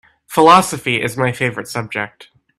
Philosophy is my favorite subject.